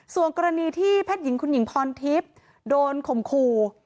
ส่วนกรณีที่แพทย์หญิงคุณหญิงพรทิพย์โดนข่มขู่